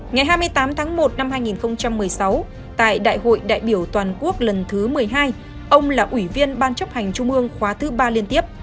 ngày hai mươi tám tháng một năm hai nghìn một mươi sáu tại đại hội đại biểu toàn quốc lần thứ một mươi hai ông là ủy viên ban chấp hành trung ương khóa thứ ba liên tiếp